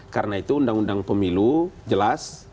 karena itu undang undang pemilu jelas